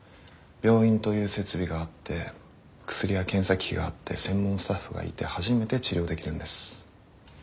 病院という設備があって薬や検査機器があって専門スタッフがいて初めて治療できるんです。